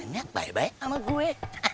enak baik baik sama gue